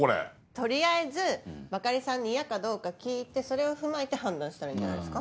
取りあえずバカリさんに嫌かどうか聞いてそれを踏まえて判断したらいいんじゃないですか？